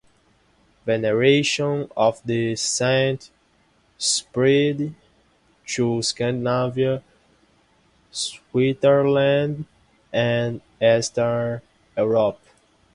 Veneration of the saint spread to Scandinavia, Switzerland, and Eastern Europe.